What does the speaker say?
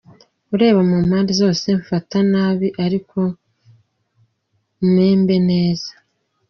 Ureba mu mpande zose, mfata nabi ariko umembe neza.